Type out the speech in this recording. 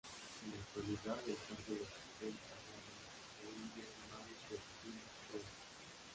En la actualidad el cargo lo ostenta la religiosa india Mary Josephine Prema.